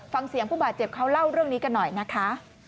ฟังเสียงผู้บาดเจ็บเขาเล่าเรื่องนี้กันหน่อยนะคะ